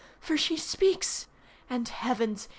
for she speaks, and, heavens!